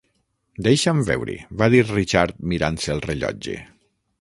"Deixa'm veure", va dir Richard mirant-se el rellotge.